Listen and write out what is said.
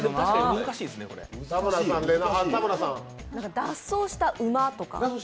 脱走した馬とか？